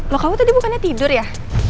lo kamu tadi bukannya tidur ya